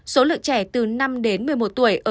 số lượng trẻ từ năm đến một mươi một tuổi ở